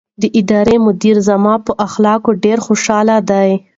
د ادارې مدیر زما په اخلاقو ډېر خوشحاله دی.